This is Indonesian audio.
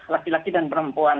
laki laki dan perempuan